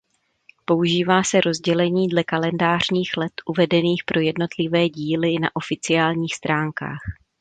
Používá se rozdělení dle kalendářních let uvedených pro jednotlivé díly na oficiálních stránkách.